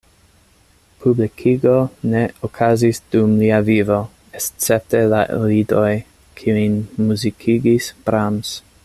Publikigo ne okazis dum lia vivo, escepte la lidoj, kiujn muzikigis Brahms.